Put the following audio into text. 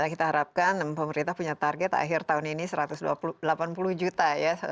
kita harapkan pemerintah punya target akhir tahun ini satu ratus delapan puluh juta ya